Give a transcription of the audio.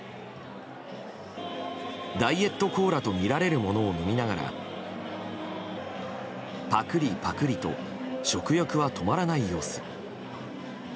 ダイエットコーラとみられるものを飲みながらパクリパクリと食欲は止まらない様子。